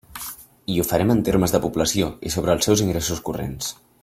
I ho farem en termes de població i sobre els seus ingressos corrents.